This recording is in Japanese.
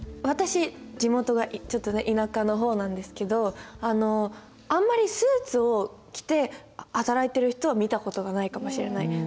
私地元がちょっと田舎の方なんですけどあんまりスーツを着て働いている人は見た事がないかもしれない。